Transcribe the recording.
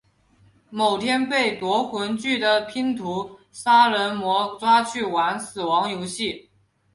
某天被夺魂锯的拼图杀人魔抓去玩死亡游戏。